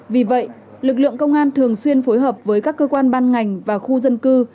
vì vậy lực lượng công an thường xuyên phối hợp với các cơ quan ban ngành và khu dân cư